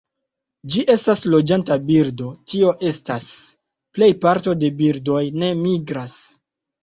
Ĝi estas loĝanta birdo, tio estas, plej parto de birdoj ne migras.